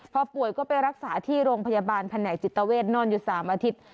พอป่วยก็ไปรักษาที่โรงพยาบาลแผนกจิตเวทนอนอยู่๓อาทิตย์